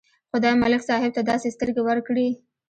خدای ملک صاحب ته داسې سترګې ورکړې.